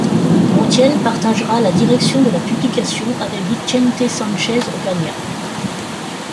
Montiel partagera la direction de la publication avec Vicente Sánchez Ocaña.